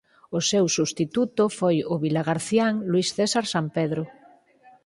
O seu substituto foi o vilagarcián Luis César Sampedro.